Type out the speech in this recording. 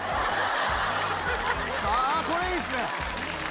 これいいっすね。